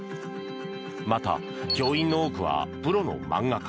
また、教員の多くはプロの漫画家。